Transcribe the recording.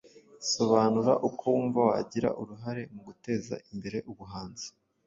Sobanura uko wumva wagira uruhare mu guteza imbere ubuhanzi